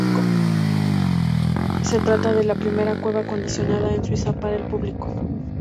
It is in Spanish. Se trata de la primera cueva acondicionada en Suiza para el público.